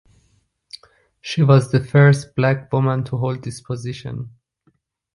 She was the first Black woman to hold this position.